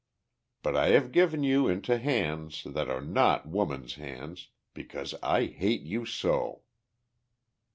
But I have given you into hands that are not woman's hands, because I hate you so!"